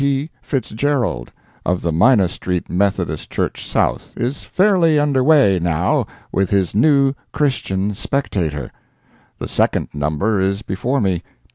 P. FITZGERALD, of the Minna street Methodist Church South, is fairly under way, now, with his new Christian Spectator. The second number is before me.